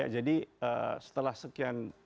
jadi setelah sekian